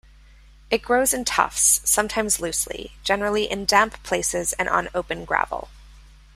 It grows in tufts, sometimes loosely, generally in damp places and on open gravel.